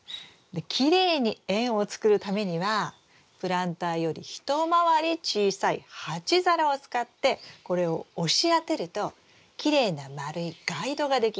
きれいに円を作るためにはプランターより一回り小さい鉢皿を使ってこれを押し当てるときれいな丸いガイドができます。